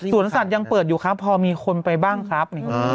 สวนสัตว์ยังเปิดอยู่ครับพอมีคนไปบ้างครับ